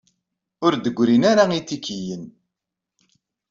Ur d-ggrin ara yitikiyen.